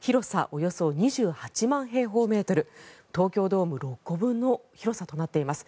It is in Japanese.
およそ２８万平方メートル東京ドーム６個分の広さとなっています。